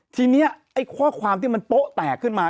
ทีนี้ไอ้ข้อความที่มันโป๊ะแตกขึ้นมา